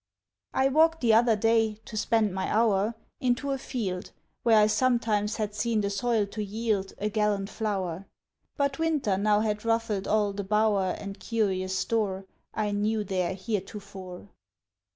I walked the other day, to spend my hour, Into a field, Where I sometimes had seen the soil to yield A gallant flower: But winter now had ruffled all the bower And curious store I knew there heretofore.